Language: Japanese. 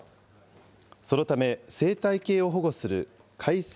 そのため、生態系を保護する改正